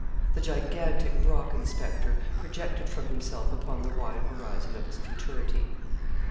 The gigantic Brocken spectre projected from himself upon the wide horizon of his futurity.